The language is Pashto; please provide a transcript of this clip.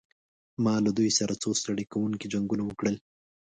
ما له دوی سره څو ستړي کوونکي جنګونه وکړل.